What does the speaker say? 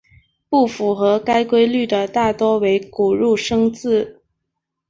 不符合该规律的大多为古入声字。